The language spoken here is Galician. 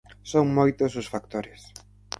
Son moitos os factores.